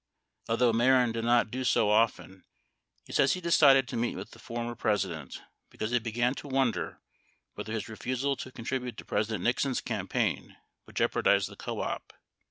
Although Mehren did not do so often, he says he decided to meet with the former President, because he began to wonder whether his refusal to con tribute to President Nixon's campaign would jeopardize the co op.